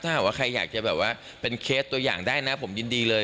ถ้าหากว่าใครอยากจะแบบว่าเป็นเคสตัวอย่างได้นะผมยินดีเลย